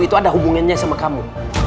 itu ada hubungannya sama kamu